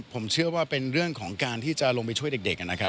ผมเชื่อว่าเป็นเรื่องของการที่จะลงไปช่วยเด็กนะครับ